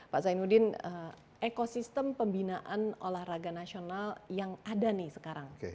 pak zainuddin ekosistem pembinaan olahraga nasional yang ada nih sekarang